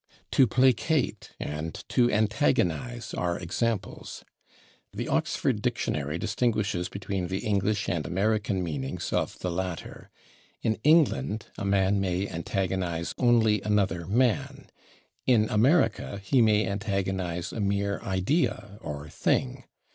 /To placate/ and /to antagonize/ are examples. The Oxford Dictionary distinguishes between the English and American meanings of the latter: in England a man may antagonize only another man, in America he may antagonize a mere idea or thing.